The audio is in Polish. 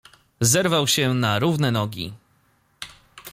Zerwał się na równe nogi.